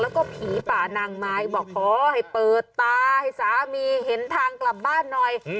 แล้วก็ผีป่านางไม้บอกขอให้เปิดตาให้สามีเห็นทางกลับบ้านหน่อย